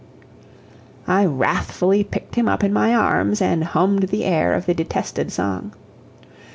I wrathfully picked him up in my arms, and hummed the air of the detested song.